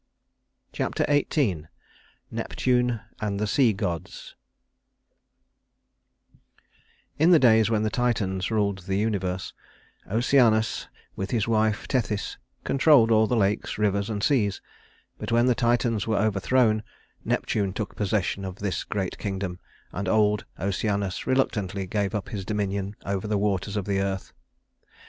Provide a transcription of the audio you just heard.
Chapter XVIII Neptune and the Sea Gods I In the days when the Titans ruled the universe, Oceanus, with his wife Tethys, controlled all the lakes, rivers, and seas; but when the Titans were overthrown, Neptune took possession of this great kingdom, and old Oceanus reluctantly gave up his dominion over the waters of the earth.